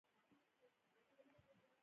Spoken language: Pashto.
خدمت د محصول بشپړونه کوي.